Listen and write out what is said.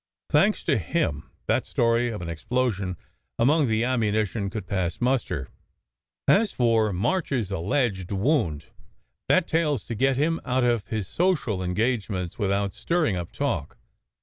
Thanks to him, that story of an explosion among the ammunition could pass muster. As for March s alleged Vound, that tale s to get him out of his social engagements, without stirring up talk.